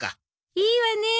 いいわね。